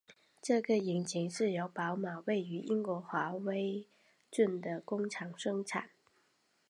这个引擎是由宝马位于英国华威郡的工厂生产。